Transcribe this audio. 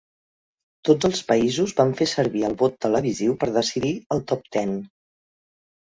Tots el països van fer servir el vot televisiu per decidir el top ten.